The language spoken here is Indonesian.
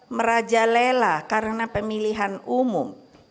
merajalela karena pemilihan umum